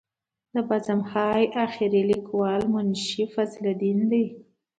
د بزم های اخیر لیکوال منشي فضل الدین دی.